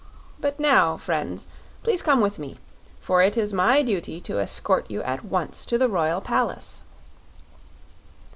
But now, friends, please come with me, for it is my duty to escort you at once to the royal palace."